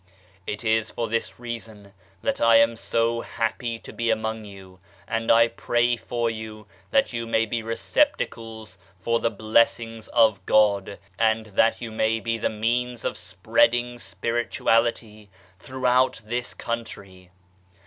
It is for this reason that I am so happy to be among you, and I pray for you, that you may be receptacles for the Blessings of God, and that you may be the means of spreading Spirituality throughout this country.